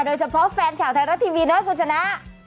โดยเฉพาะแฟนข่าวไทยรัฐทีวีนะคุณชนะ